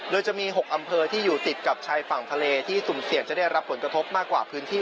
โดยจะมี๖อำเภอที่อยู่ติดกับชายฝั่งทะเลที่สุ่มเสี่ยงจะได้รับผลกระทบมากกว่าพื้นที่